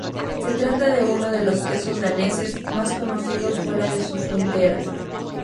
Se trata de uno de los quesos daneses más conocidos fuera de sus fronteras.